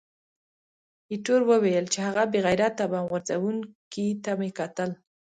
ایټور وویل چې، هغه بې غیرته بم غورځوونکي ته مې کتل.